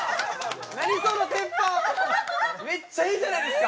何そのテンポめっちゃいいじゃないですか！